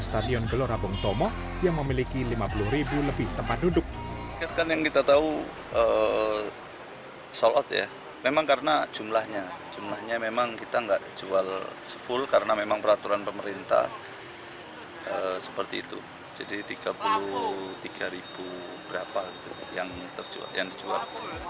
jadi tiga puluh tiga ribu berapa yang dijual